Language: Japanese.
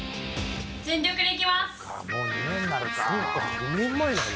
全力でいきます。